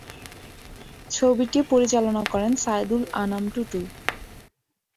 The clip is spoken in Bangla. ছবিটি পরিচালনা করেন সাইদুল আনাম টুটুল।